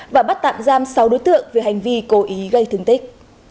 và bắt tạm giam sáu đối tượng về hành vi cố ý gây thương tích